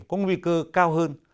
có nguy cơ cao hơn